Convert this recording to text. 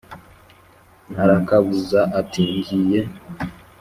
arakabuza ati: “ngiye